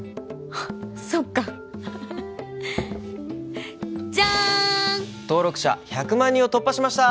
あっそっかジャーン登録者１００万人を突破しました